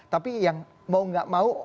tapi yang mau gak mau